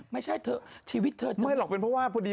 ไม่ใช่เธอชีวิตเธอช่วยหรอกเป็นเพราะว่าพอดี